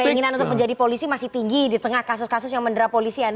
keinginan untuk menjadi polisi masih tinggi di tengah kasus kasus yang mendera polisi